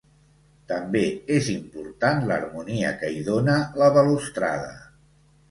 També és important l'harmonia que hi dóna la balustrada.